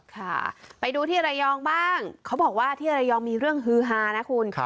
ค่ะไปดูที่ระยองบ้างเขาบอกว่าที่ระยองมีเรื่องฮือฮานะคุณ